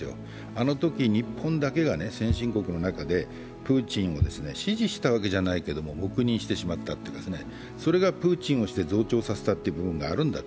あのとき日本だけが先進国の中でプーチンを支持したわけではないが黙認してしまったというか、それがプーチンをして増長してしまったということがある。